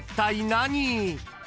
・何？